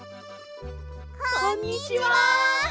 こんにちは！